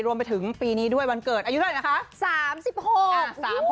รวมไปถึงปีนี้ด้วยวันเกิดอายุเท่าไหร่นะคะ